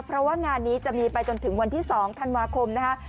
เพราะว่างานนี้จะมีไปจนถึงวันที่๒ธันวาคมนะคะ